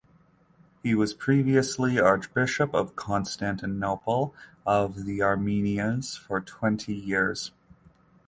He was previously archbishop of Constantinople of the Armenians for twenty years.